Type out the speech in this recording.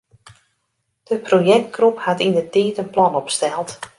De projektgroep hat yndertiid in plan opsteld.